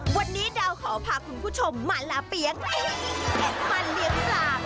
วันนี้ดาวขอพาคุณผู้ชมมาลาเปี๊ยกมาเลี้ยงปลา